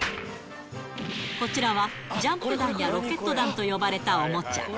こちらは、ジャンプ弾やロケット弾といわれたおもちゃ。